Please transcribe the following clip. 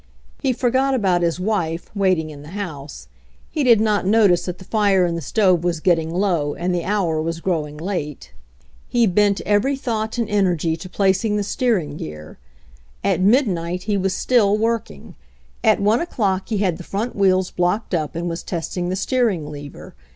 He forgot about his wife, waiting in the house; he did not notice that the fire in the stove was getting low and the hour was growing' late. He 88 HENRY FORD'S OWN STORY bent every thought and energy to placing the steering gear. At midnight he was still working. At I o'clock he had the front wheels blocked up and was test ing the steering lever.